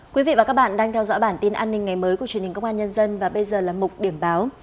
quý vị và các bạn đang theo dõi bản tin an ninh ngày mới của truyền hình công an nhân dân và bây giờ là mục điểm báo